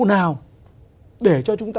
nào để cho chúng ta